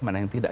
atau yang tidak